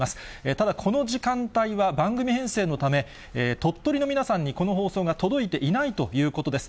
ただ、この時間帯は番組編成のため、鳥取の皆さんにこの放送が届いていないということです。